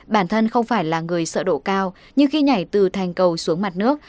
bản thân không phải là người sợ độ cao nhưng khi nhảy từ thành cầu xuống mặt nước